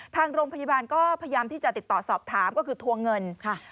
ทางโรงพยาบาลก็พยายามที่จะติดต่อสอบถามก็คือทวงเงินค่ะ